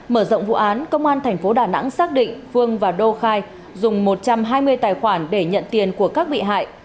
mở rộng vụ án công an tp đà nẵng xác định phương và đô khai dùng một trăm hai mươi tài khoản để nhận tiền của các bị hại